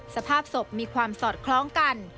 สภาพศพมีความสอดคล้องกัน